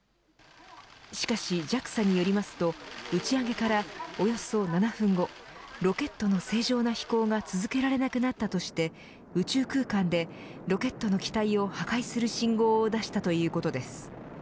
しかし、ＪＡＸＡによりますと打ち上げからおよそ７分後ロケットの正常な飛行が続けられなくなったとして宇宙空間でロケットの機体を破壊する信号を出したということです。